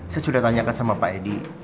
saya sudah tanyakan sama pak edi